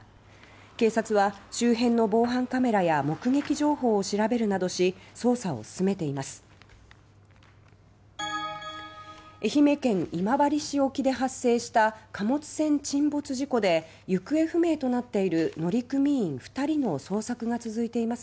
警察は周辺の防犯カメラや目撃情報を調べるなどし捜査を進めています。